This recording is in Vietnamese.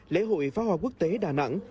lễ hội phá hoa quốc tế đà nẵng